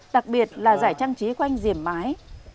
đặc biệt là giải trang trí quanh diểm mái